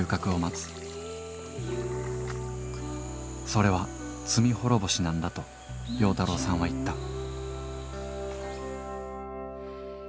それは「罪ほろぼし」なんだと要太郎さんは言ったうわ！